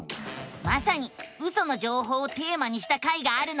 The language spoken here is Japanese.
まさにウソの情報をテーマにした回があるのさ！